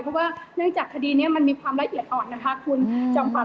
เพราะว่าเนื่องจากคดีนี้มันมีความละเอียดอ่อนนะคะคุณจอมขวั